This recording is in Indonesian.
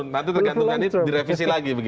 nanti tergantung di revisi lagi